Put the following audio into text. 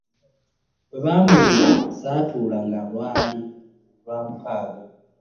Bwe bambuulira ssaatuula nga lwali lwa mugagga.